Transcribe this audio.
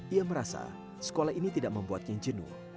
ia merasa sekolah ini tidak membuatnya jenuh